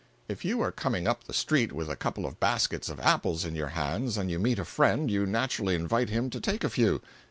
If you are coming up the street with a couple of baskets of apples in your hands, and you meet a friend, you naturally invite him to take a few.